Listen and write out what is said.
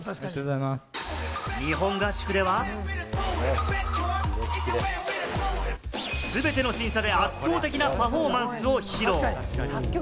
日本合宿では、全ての審査で圧倒的なパフォーマンスを披露。